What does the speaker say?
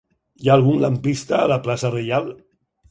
Hi ha algun lampista a la plaça Reial?